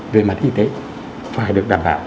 về mặt y tế phải được đảm bảo